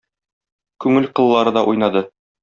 Күңел кыллары да уйнады.